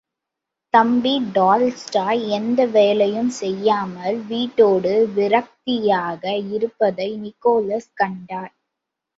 தம்பி டால்ஸ்டாய் எந்த வேலையும் செய்யாமல் வீட்டோடு விரக்தியாக இருப்பதை நிக்கோலஸ் கண்டார்.